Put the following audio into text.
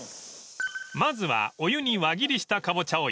［まずはお湯に輪切りしたカボチャを入れます］